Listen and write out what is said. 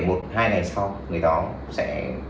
một hai ngày sau người đó sẽ